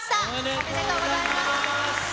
おめでとうございます。